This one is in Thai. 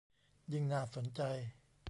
ยิ่งน่าสนใจ